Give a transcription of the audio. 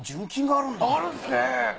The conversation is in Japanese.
あるんですね！